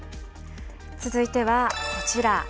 続いてはこちら。